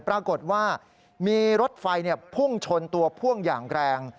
ปรากฏว่ามีรถไฟพุ่งชนตัวพ่วงอย่างแรง